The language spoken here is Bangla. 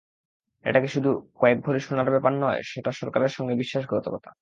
এটা শুধু কয়েক ভরি সোনার ব্যাপার নয়, এটা সরকারের সঙ্গে বিশ্বাসঘাতকতা।